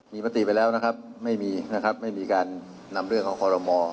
มีมติไปแล้วนะครับไม่มีนะครับไม่มีการนำเรื่องของคอรมอ